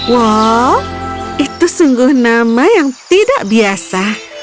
wow itu sungguh nama yang tidak biasa